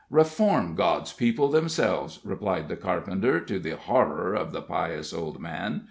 "Reform God's people themselves," replied the carpenter, to the horror of the pious old man.